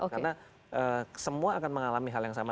karena semua akan mengalami hal yang sama